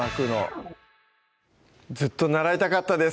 ずっと習いたかったです